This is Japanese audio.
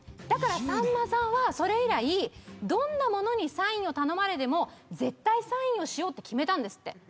だからさんまさんはそれ以来どんなものにサインを頼まれても絶対サインをしようって決めたんですって。